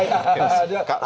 dia hakim dulu